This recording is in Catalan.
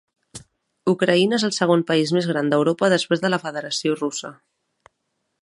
Ucraïna és el segon país més gran d"Europa després de la Federació Russa.